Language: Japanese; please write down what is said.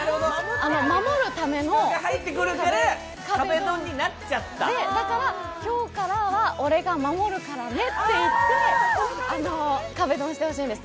守るための壁ドンで、だから今日からは俺が守るからねって言って壁ドンしてほしいんです。